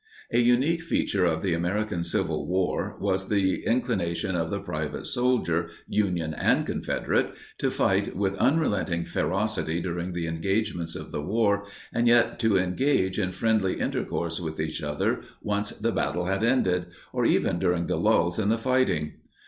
A unique feature of the American Civil War was the inclination of the private soldier—Union and Confederate—to fight with unrelenting ferocity during the engagements of the war and yet to engage in friendly intercourse with each other once the battle had ended, or even during lulls in the fighting.